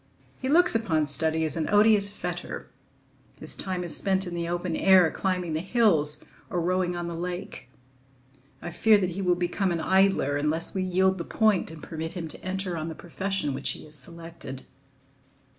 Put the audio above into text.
He looks upon study as an odious fetter; his time is spent in the open air, climbing the hills or rowing on the lake. I fear that he will become an idler unless we yield the point and permit him to enter on the profession which he has selected.